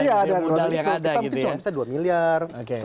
iya ada modal yang ada gitu ya